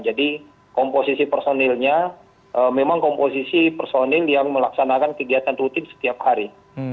jadi komposisi personilnya memang komposisi personil yang melaksanakan kegiatan rutin setiap hari